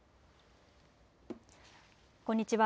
こんにちは。